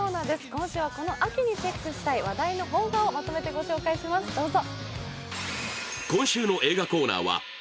今週はこの秋にチェックした話題の邦画をまとめてご紹介します、どうぞ。